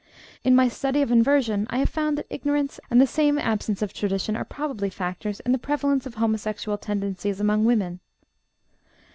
In my study of inversion I have found that ignorance and the same absence of tradition are probably factors in the prevalence of homosexual tendencies among women.